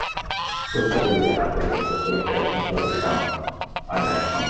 Coach তর্ক জুড়ে দেন আন্তর্জাতিক ভারোত্তোলন ফেডারেশনের সভাপতি তামাস আজানের সঙ্গে।